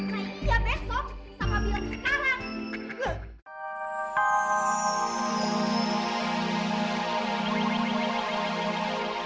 nah iya besok sama biar sekarang